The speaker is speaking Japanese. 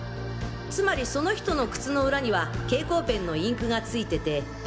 つまりその人の靴の裏には蛍光ペンのインクが付いてて。